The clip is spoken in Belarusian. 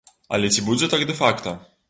Але ці будзе так дэ-факта?